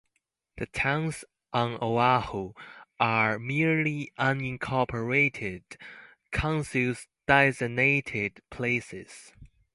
The towns on Oahu are merely unincorporated census-designated places.